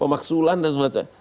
pemaksulan dan segala macam